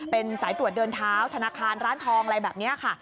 เป็นสายตรวจเดินเท้าธนาคารร้านทองอะไรแบบนี้ค่ะ